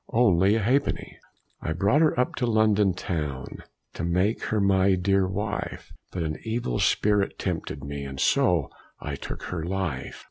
Only a ha'penny! I brought her up to London town, To make her my dear wife; But an evil spirit tempted me, And so I took her life!